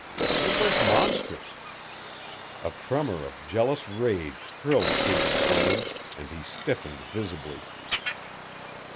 It was monstrous! A tremor of jealous rage thrilled through his frame, and he stiffened visibly.